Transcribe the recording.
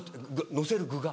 のせる具が。